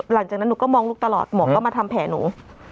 หลังจากนั้นหนูก็มองลูกตลอดหมอก็มาทำแผลหนู